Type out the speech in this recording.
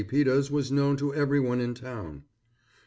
Peters was known to everyone in town.